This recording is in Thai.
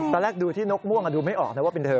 ตอนแรกดูที่นกม่วงดูไม่ออกนะว่าเป็นเธอ